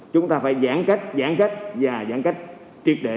chúng ta phải giãn cách giãn cách và giãn cách triệt để